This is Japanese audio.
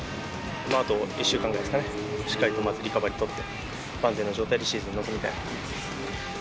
あと１週間ぐらいですかね、しっかりとリカバリー取って、万全な状態でシーズン臨みたいと思います。